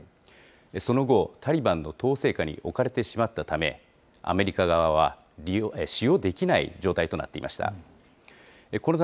その後、タリバンの統制下に置かれてしまったため、アメリカ側は使用できない状態となっていました。